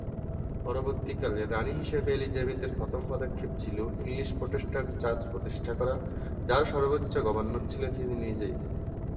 পরবর্তীকালে রানী হিসেবে এলিজাবেথের প্রথম পদক্ষেপ ছিল ইংলিশ প্রোটেস্ট্যান্ট চার্চ প্রতিষ্ঠা করা, যার সর্বোচ্চ গভর্নর ছিলেন তিনি নিজেই।